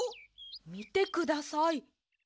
みてください。